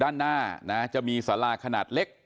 ด้านหน้านะจะมีสาราขนาดเล็ก